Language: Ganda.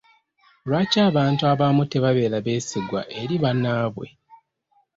Lwaki abantu abamu tebabeera beesigwa eri bannaabwe?